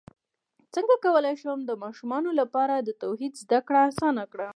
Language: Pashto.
څنګه کولی شم د ماشومانو لپاره د توحید زدکړه اسانه کړم